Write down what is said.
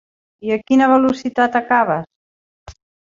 I a quina velocitat acabes?